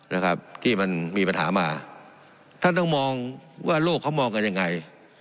นะครับที่มันมีปัญหามาท่านต้องมองว่าโลกเขามองกันยังไง